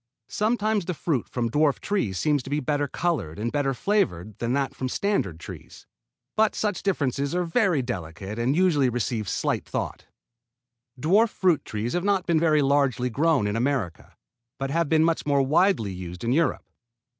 Sometimes the fruit from dwarf trees seems to be better colored or better flavored than that from standard trees; but such differences are very delicate and usually receive slight thought. [Illustration: FIG. 1 DWARF APPLE TREES IN WESTERN NEW YORK] Dwarf fruit trees have not been very largely grown in America, but have been much more widely used in Europe.